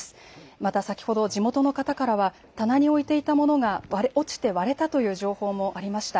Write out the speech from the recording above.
また先ほど地元の方からは棚に置いていたものが落ちて割れたという情報もありました。